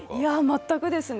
全くですね。